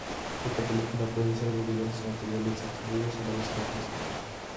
Esta película puede ser de diversos materiales, distribuidos en varias capas.